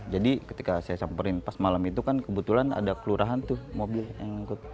jadi ketika saya samperin pas malam itu kan kebetulan ada kelurahan tuh mobil yang ikut